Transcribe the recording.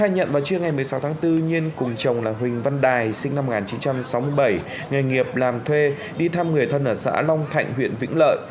sau tháng bốn nhiên cùng chồng là huỳnh văn đài sinh năm một nghìn chín trăm sáu mươi bảy nghề nghiệp làm thuê đi thăm người thân ở xã long thạnh huyện vĩnh lợi